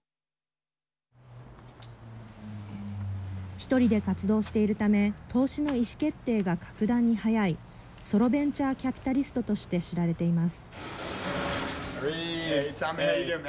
１人で活動しているため投資の意思決定が格段に速いソロベンチャーキャピタリストとして知られています。